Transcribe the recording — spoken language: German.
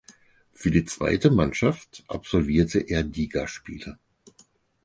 Für die zweite Mannschaft absolvierte er Ligaspiele.